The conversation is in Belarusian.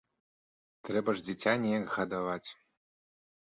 Трэба ж дзіця неяк гадаваць.